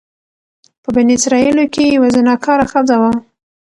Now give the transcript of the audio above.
په بني اسرائيلو کي يوه زناکاره ښځه وه،